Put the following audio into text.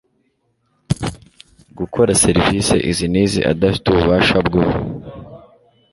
gukora serivisi izi n izi adafite ububasha bwo